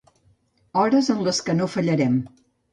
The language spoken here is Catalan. Hores en les que no fallarem.